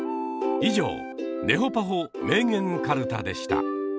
以上「ねほぱほ名言かるた」でした。